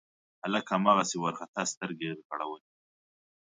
هلک هماغسې وارخطا سترګې رغړولې.